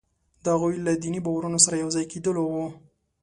د هغوی له دیني باورونو سره یو ځای کېدلو وو.